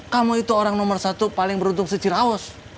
kamu itu orang nomor satu paling beruntung seciraus